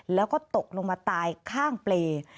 แล้วก็ตกลงมาตายข้างเปรย์